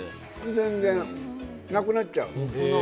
なくなっちゃう。